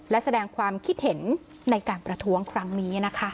และแสดงความคิดเห็นในการประท้วงครั้งนี้นะคะ